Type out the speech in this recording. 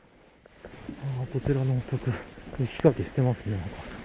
こちらのお宅雪かきしてますね。